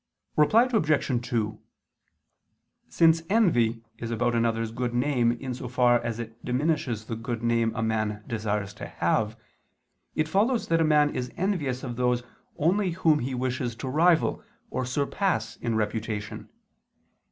Reply Obj. 2: Since envy is about another's good name in so far as it diminishes the good name a man desires to have, it follows that a man is envious of those only whom he wishes to rival or surpass in reputation.